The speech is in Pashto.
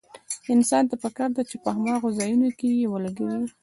انسان ته پکار ده په هماغو ځايونو کې يې ولګوي.